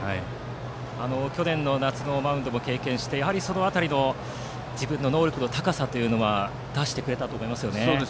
去年の夏のマウンドも経験してその辺りの自分の能力の高さを出してくれたと思いますね。